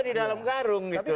di dalam karung gitu loh